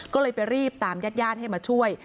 ก็เลยไปรีบตามญาติญาติให้มาช่วย